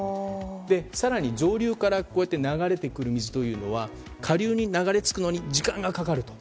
更に上流から流れてくる水というのは下流に流れ着くのに時間がかかると。